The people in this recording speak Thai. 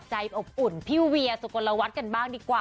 อบอุ่นพี่เวียสุกลวัฒน์กันบ้างดีกว่า